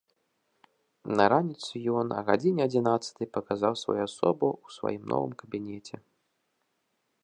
На раніцу ён а гадзіне адзінаццатай паказаў сваю асобу ў сваім новым кабінеце.